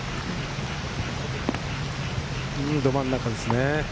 ど真ん中ですね。